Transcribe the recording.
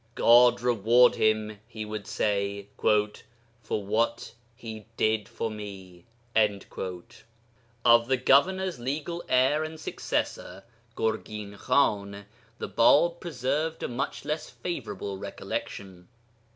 'God reward him,' he would say, 'for what he did for me.' Of the governor's legal heir and successor, Gurgin Khan, the Bāb preserved a much less favourable recollection.